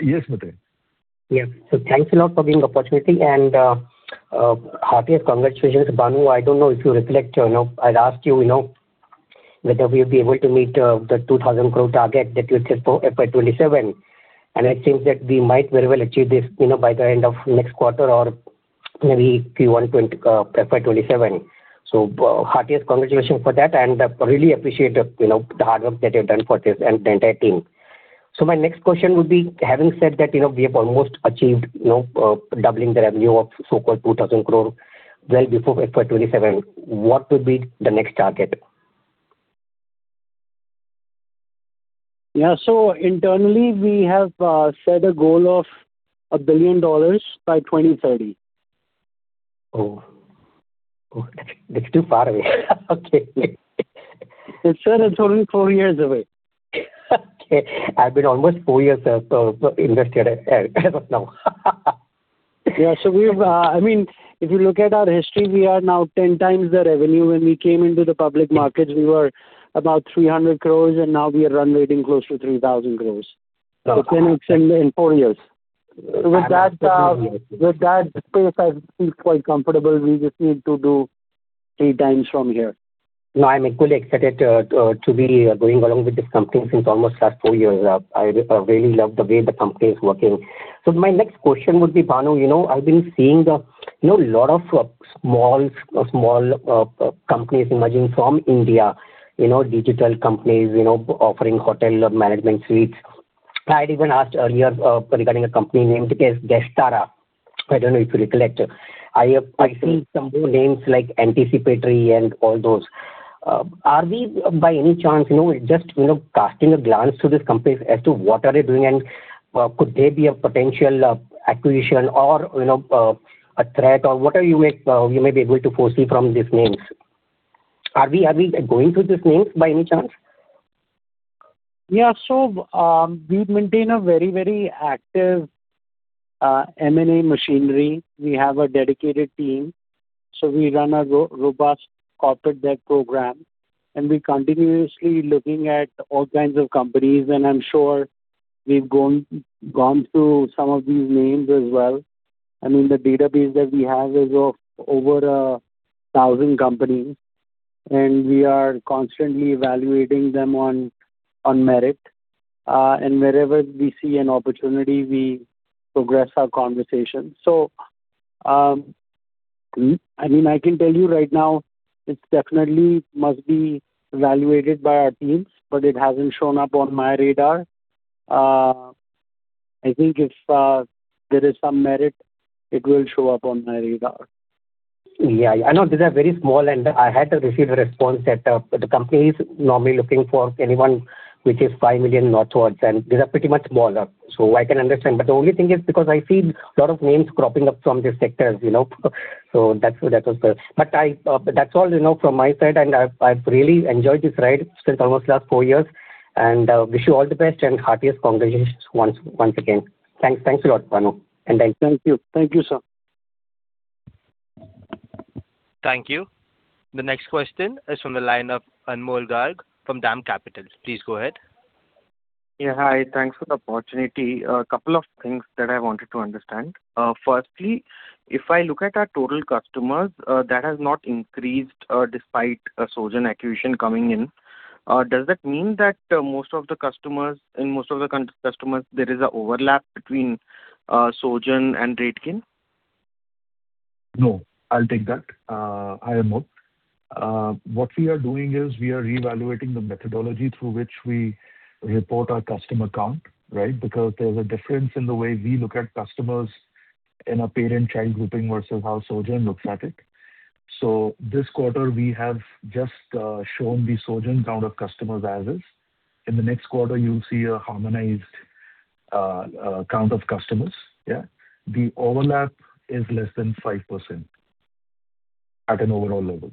Yes, Miten. Yes. So thanks a lot for giving the opportunity and, heartiest congratulations, Bhanu. I don't know if you reflect, you know, I'd ask you, you know, whether we'll be able to meet, the 2,000 crore target that you set for FY 2027. And I think that we might very well achieve this, you know, by the end of next quarter or maybe Q1, FY 2027. So, heartiest congratulations for that, and I really appreciate the, you know, the hard work that you've done for this and the entire team. So my next question would be, having said that, you know, we have almost achieved, you know, doubling the revenue of so-called 2,000 crore well before FY 2027, what would be the next target? Yeah, so internally we have set a goal of $1 billion by 2030. Oh. Oh, that's too far away. Okay. It's only four years away. Okay. I've been almost four years invested as of now. Yeah. So we've, I mean, if you look at our history, we are now 10x the revenue. When we came into the public markets, we were about 300 crore, and now we are run rate close to 3,000 crore. Wow! So it's in four years. With that, with that pace, I feel quite comfortable. We just need to do three times from here. No, I'm equally excited to to be going along with this company since almost last four years. I really love the way the company is working. So my next question would be, Bhanu, you know, I've been seeing the, you know, lot of small companies emerging from India, you know, digital companies, you know, offering hotel management suites. I had even asked earlier regarding a company named Guestara. I don't know if you recollect. I see some more names like Anticipatory and all those. Are we, by any chance, you know, just casting a glance to this company as to what are they doing? And could they be a potential acquisition or, you know, a threat? Or what you may be able to foresee from these names. Are we going through these names by any chance? Yeah. So, we maintain a very, very active, M&A machinery. We have a dedicated team. So we run a robust corporate deck program, and we're continuously looking at all kinds of companies, and I'm sure we've gone through some of these names as well. I mean, the database that we have is of over 1,000 companies, and we are constantly evaluating them on merit. And wherever we see an opportunity, we progress our conversation. So, I mean, I can tell you right now, it's definitely must be evaluated by our teams, but it hasn't shown up on my radar. I think if there is some merit, it will show up on my radar. Yeah, I know these are very small, and I had to receive a response that the company is normally looking for anyone which is $5 million or towards, and these are pretty much smaller, so I can understand. But the only thing is because I see a lot of names cropping up from this sector, you know, so that's, that was the, but I, that's all, you know, from my side, and I've really enjoyed this ride since almost last four years. And wish you all the best and heartiest congratulations once again. Thanks. Thanks a lot, Bhanu, and thank you. Thank you. Thank you, sir. Thank you. The next question is from the line of Anmol Garg from DAM Capital. Please go ahead. Yeah, hi. Thanks for the opportunity. A couple of things that I wanted to understand. Firstly, if I look at our total customers, that has not increased, despite a Sojern acquisition coming in. Does that mean that, most of the customers, in most of the cum, customers there is a overlap between, Sojern and RateGain? No, I'll take that, Anmol. What we are doing is we are reevaluating the methodology through which we report our customer count, right? Because there's a difference in the way we look at customers in a parent-child grouping versus how Sojern looks at it. So this quarter, we have just shown the Sojern count of customers as is. In the next quarter, you'll see a harmonized count of customers, yeah. The overlap is less than 5% at an overall level.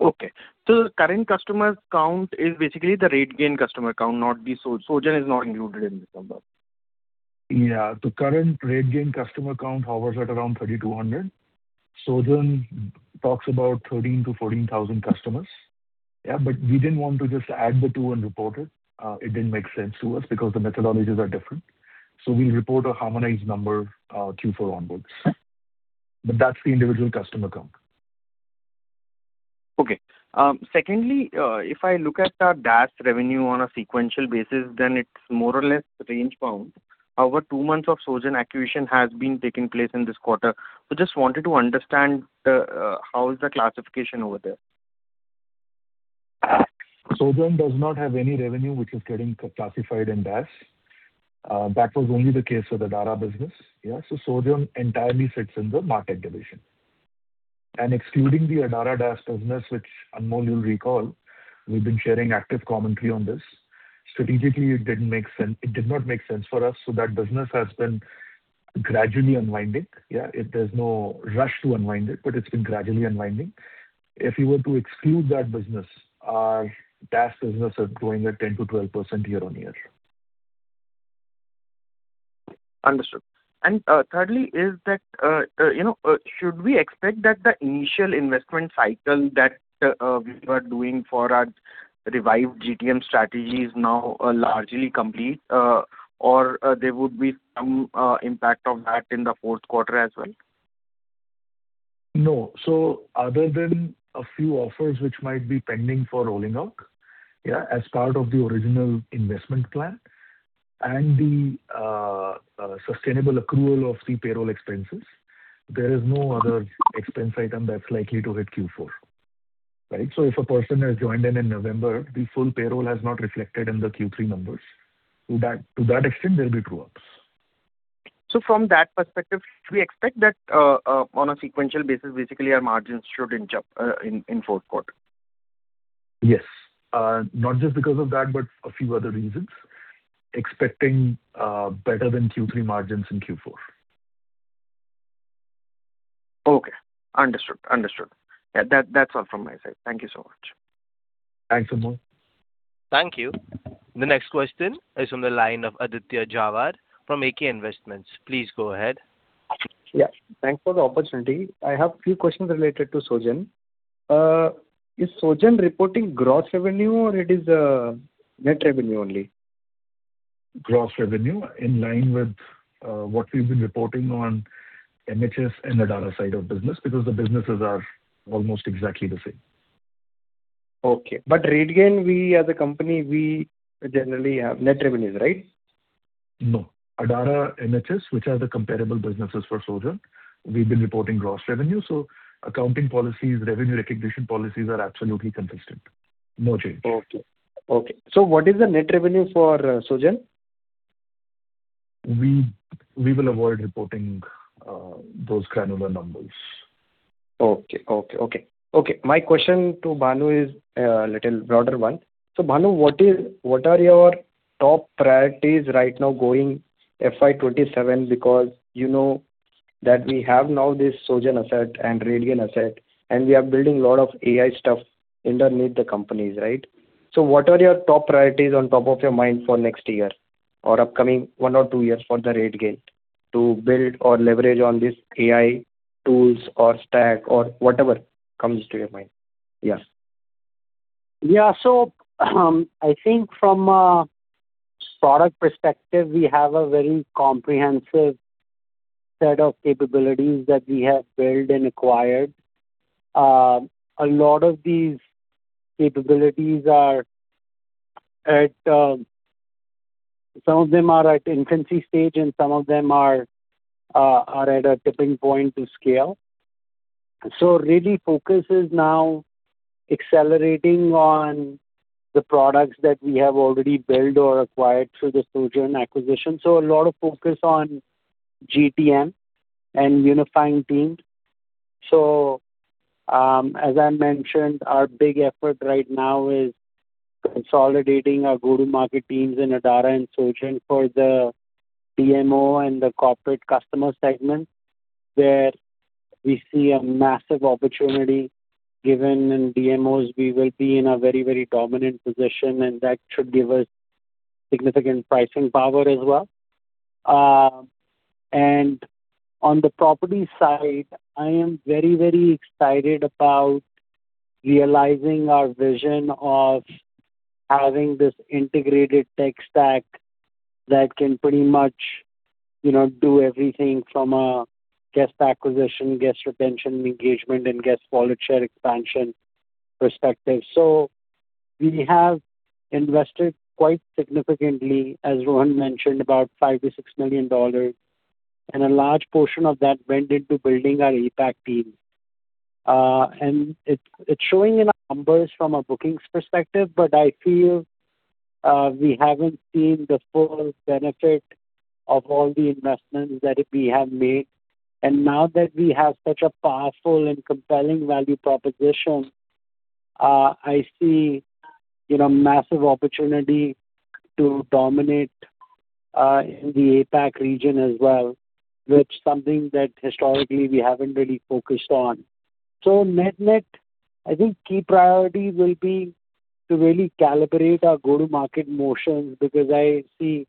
Okay. So the current customer count is basically the RateGain customer count, not the Sojern. Sojern is not included in this number. Yeah. The current RateGain customer count hovers at around 3,200. Sojern talks about 13,000-14,000 customers. Yeah, but we didn't want to just add the two and report it. It didn't make sense to us because the methodologies are different. So we'll report a harmonized number, Q4 onwards. But that's the individual customer count. Okay. Secondly, if I look at the DaaS revenue on a sequential basis, then it's more or less range bound. However, two months of Sojern acquisition has been taking place in this quarter. So just wanted to understand the, how is the classification over there? Sojern does not have any revenue which is getting classified in DaaS. That was only the case for the Adara business, yeah. So Sojern entirely fits in the market division. And excluding the Adara DaaS business, which, Anmol, you'll recall, we've been sharing active commentary on this. Strategically, it didn't make sense. It did not make sense for us, so that business has been gradually unwinding, yeah. It, there's no rush to unwind it, but it's been gradually unwinding. If you were to exclude that business, our DaaS business is growing at 10%-12% year-on-year. Understood. And, thirdly, you know, should we expect that the initial investment cycle that we were doing for our revived GTM strategy is now largely complete, or there would be some impact of that in the fourth quarter as well? No. So other than a few offers which might be pending for rolling out, yeah, as part of the original investment plan and the sustainable accrual of the payroll expenses, there is no other expense item that's likely to hit Q4, right? So if a person has joined in November, the full payroll has not reflected in the Q3 numbers. To that extent, there'll be true-ups. So from that perspective, should we expect that, on a sequential basis, basically our margins should jump in fourth quarter? Yes. Not just because of that, but a few other reasons. Expecting better than Q3 margins in Q4. Okay. Understood. Understood. Yeah, that, that's all from my side. Thank you so much. Thanks, Anmol. Thank you. The next question is on the line of Aditya Jhawar from AK Investments. Please go ahead. Yeah, thanks for the opportunity. I have a few questions related to Sojern. Is Sojern reporting gross revenue or is it net revenue only? Gross revenue, in line with what we've been reporting on MHS and Adara side of business, because the businesses are almost exactly the same. Okay. RateGain, we as a company, we generally have net revenues, right? No. Adara, MHS, which are the comparable businesses for Sojern, we've been reporting gross revenue. So accounting policies, revenue recognition policies are absolutely consistent. No change. Okay. Okay. So what is the net revenue for Sojern? We will avoid reporting those granular numbers. Okay. Okay, okay. Okay, my question to Bhanu is a little broader one. So, Bhanu, what is, what are your top priorities right now going FY 2027? Because you know that we have now this Sojern asset and RateGain asset, and we are building a lot of AI stuff underneath the companies, right? So what are your top priorities on top of your mind for next year or upcoming one or two years for the RateGain to build or leverage on this AI tools or stack or whatever comes to your mind? Yes. Yeah. So, I think from a product perspective, we have a very comprehensive set of capabilities that we have built and acquired. A lot of these capabilities are at, some of them are at infancy stage and some of them are, are at a tipping point to scale. So really focus is now accelerating on the products that we have already built or acquired through the Sojern acquisition. So a lot of focus on GTM and unifying teams. So, as I mentioned, our big effort right now is consolidating our go-to-market teams in Adara and Sojern for the DMO and the corporate customer segment, where we see a massive opportunity. Given in DMOs, we will be in a very, very dominant position, and that should give us significant pricing power as well. And on the property side, I am very, very excited about realizing our vision of having this integrated tech stack that can pretty much, you know, do everything from a guest acquisition, guest retention, engagement, and guest wallet share expansion perspective. So we have invested quite significantly, as Rohan mentioned, about $5 million-$6 million, and a large portion of that went into building our APAC team. And it's showing in our numbers from a bookings perspective, but I feel, we haven't seen the full benefit of all the investments that we have made. And now that we have such a powerful and compelling value proposition, I see, you know, massive opportunity to dominate, in the APAC region as well, which is something that historically we haven't really focused on. So net-net, I think key priorities will be to really calibrate our go-to-market motions, because I see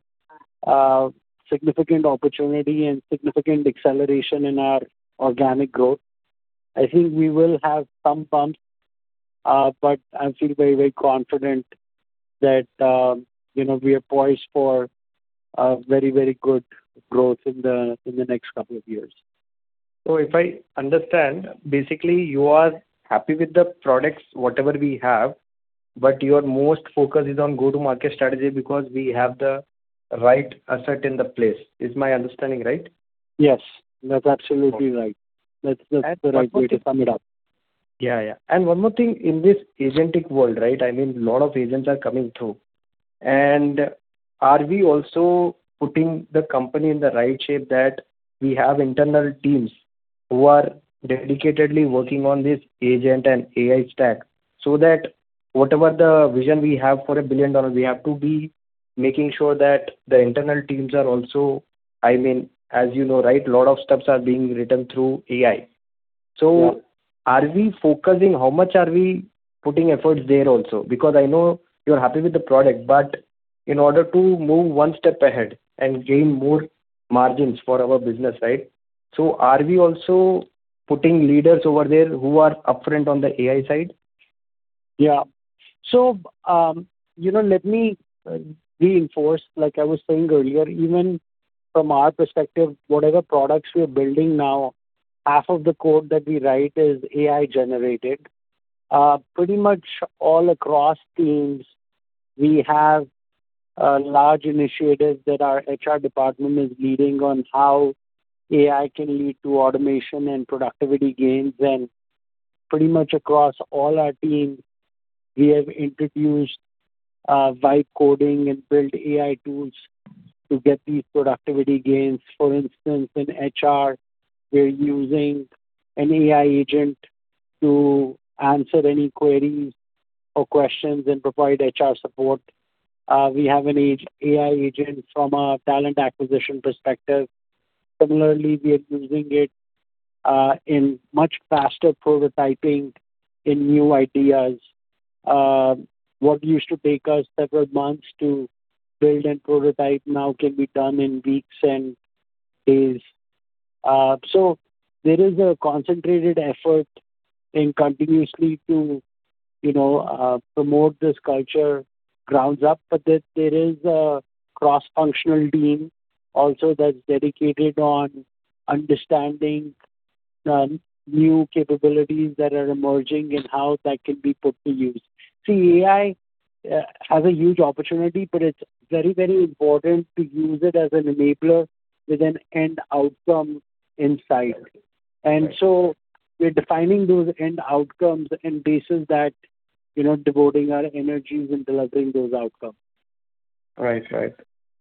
significant opportunity and significant acceleration in our organic growth. I think we will have some bumps, but I feel very, very confident that, you know, we are poised for a very, very good growth in the next couple of years. If I understand, basically you are happy with the products, whatever we have, but your most focus is on go-to-market strategy because we have the right asset in the place. Is my understanding right? Yes, that's absolutely right. That's, that's the right way to sum it up. Yeah, yeah. And one more thing, in this agentic world, right? I mean, a lot of agents are coming through. And are we also putting the company in the right shape, that we have internal teams who are dedicatedly working on this agent and AI stack, so that whatever the vision we have for $1 billion, we have to be making sure that the internal teams are also, I mean, as you know, right, a lot of steps are being written through AI. Yeah. So are we focusing? How much are we putting efforts there also? Because I know you're happy with the product, but in order to move one step ahead and gain more margins for our business, right? So are we also putting leaders over there who are upfront on the AI side? Yeah. So, you know, let me reinforce. Like I was saying earlier, even from our perspective, whatever products we are building now, half of the code that we write is AI-generated. Pretty much all across teams, we have large initiatives that our HR department is leading on how AI can lead to automation and productivity gains. And pretty much across all our teams, we have introduced vibe coding and build AI tools to get these productivity gains. For instance, in HR, we're using an AI agent to answer any queries or questions and provide HR support. We have an AI agent from a talent acquisition perspective. Similarly, we are using it in much faster prototyping in new ideas. What used to take us several months to build and prototype now can be done in weeks and days. So, there is a concentrated effort in continuously to, you know, promote this culture grounds up. But there is a cross-functional team also that's dedicated on understanding the new capabilities that are emerging and how that can be put to use. See, AI has a huge opportunity, but it's very, very important to use it as an enabler with an end outcome in sight. Right. So we're defining those end outcomes, and based on that, you know, devoting our energies in delivering those outcomes. Right. Right.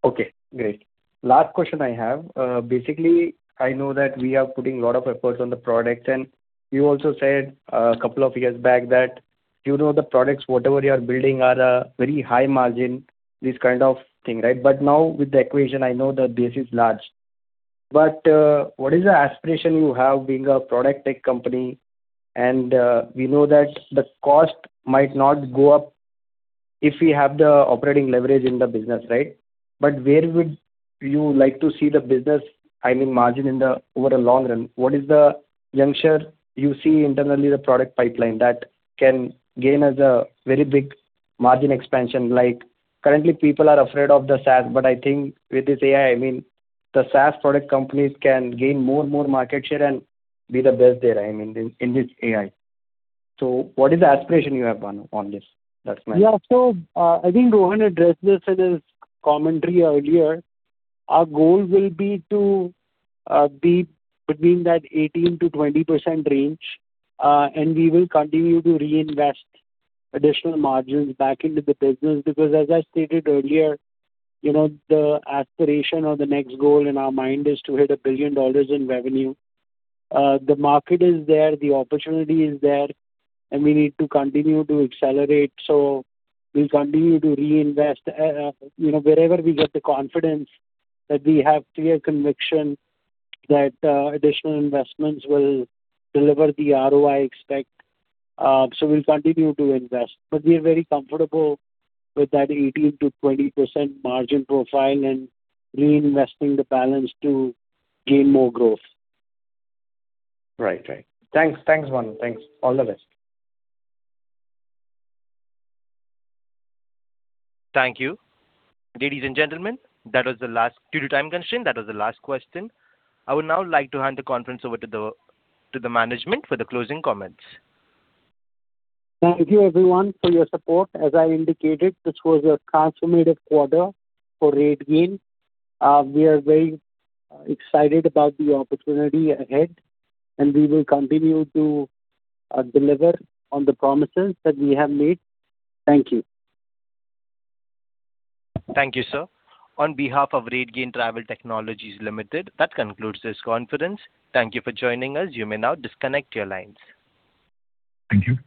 Okay, great. Last question I have. Basically, I know that we are putting a lot of efforts on the products, and you also said a couple of years back that you know the products, whatever you are building, are a very high margin, this kind of thing, right? But now with the equation, I know the base is large. But, what is the aspiration you have being a product tech company? And, we know that the cost might not go up if we have the operating leverage in the business, right? But where would you like to see the business, I mean, margin in the, over the long run? What is the juncture you see internally, the product pipeline that can gain as a very big margin expansion? Like, currently, people are afraid of the SaaS, but I think with this AI, I mean, the SaaS product companies can gain more and more market share and be the best there, I mean, in this AI. So what is the aspiration you have, Bhanu, on this? That's my- Yeah. So, I think Rohan addressed this in his commentary earlier. Our goal will be to be between that 18%-20% range, and we will continue to reinvest additional margins back into the business. Because, as I stated earlier, you know, the aspiration or the next goal in our mind is to hit $1 billion in revenue. The market is there, the opportunity is there, and we need to continue to accelerate. So we'll continue to reinvest, you know, wherever we get the confidence, that we have clear conviction that additional investments will deliver the ROI expect. So we'll continue to invest, but we are very comfortable with that 18%-20% margin profile and reinvesting the balance to gain more growth. Right. Right. Thanks. Thanks, Bhanu. Thanks. All the best. Thank you. Ladies and gentlemen, that was the last, due to time constraint, that was the last question. I would now like to hand the conference over to the management for the closing comments. Thank you everyone for your support. As I indicated, this was a transformative quarter for RateGain. We are very excited about the opportunity ahead, and we will continue to deliver on the promises that we have made. Thank you. Thank you, sir. On behalf of RateGain Travel Technologies Limited, that concludes this conference. Thank you for joining us. You may now disconnect your lines. Thank you.